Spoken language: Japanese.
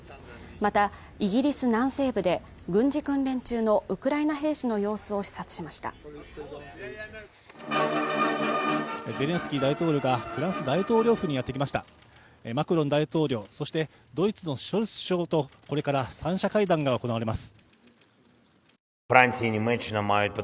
またイギリス南西部で軍事訓練中のウクライナ兵士の様子を視察しましたゼレンスキー大統領がフランス大統領府にやってきましたマクロン大統領そしてドイツのショルツ首相とこれから三者会談が行われます